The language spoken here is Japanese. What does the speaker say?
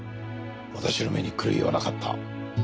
私の目に狂いはなかった。